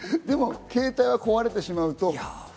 携帯は壊れてしまうと。